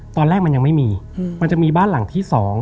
ตอนแรกมันยังไม่มีมันจะมีบ้านหลังที่๒